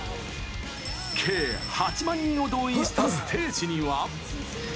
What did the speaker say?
計８万人を動員したステージには。